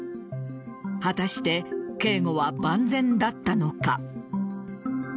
果たして警護は万全だったのか。